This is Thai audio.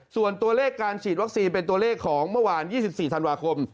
ส่วนตัวเลขการฉีดวัคซีนเป็นตัวเลขของเมื่อวาน๒๔ธันวาคม